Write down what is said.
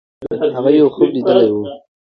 هغې یو خوب لیدلی وو.